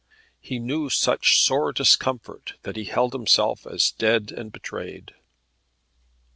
He knew such sore discomfort that he held himself as dead and betrayed.